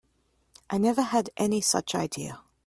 I never had any such idea.